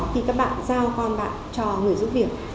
khi các bạn giao con bạn cho người giúp việc